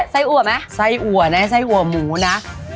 ไส้อัวไหมไส้อัวนะไส้อัวหมูนะ